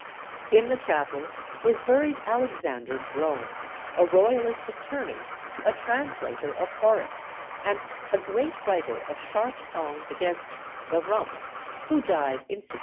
In the chapel was buried Alexander Brome, a Royalist attorney, a translator of Horace, and a great writer of sharp songs against "The Rump," who died in 1666.